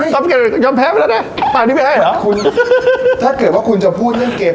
ยอมแพ้ไปแล้วนะป่านนี้ไม่ได้เหรอคุณถ้าเกิดว่าคุณจะพูดเรื่องเกม